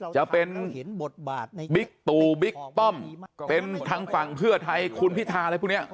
จะเป็นบิ๊กตู่บิ๊กป้อมเป็นทางฝั่งเพื่อไทยคุณพิธาอะไรพวกนี้